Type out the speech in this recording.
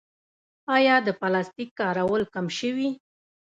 آیا د پلاستیک کارول کم شوي؟